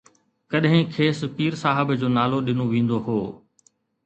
ڪڏهن کيس پير صاحب جو نالو ڏنو ويندو هو